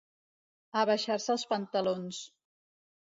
Abaixar-se els pantalons.